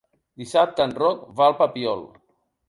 Dissabte en Roc va al Papiol.